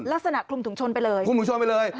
ลักษณะคลุมถุงชนไปเลยคลุมถุงชนไปเลย